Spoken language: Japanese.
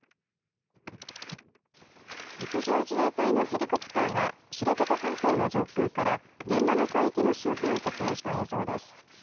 陸上自衛隊のヘリコプターが知床半島の上空から現場の海域の周辺を撮影した映像です。